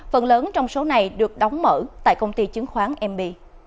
phần lớn trong số này được đóng mở tại công ty chứng khoán mb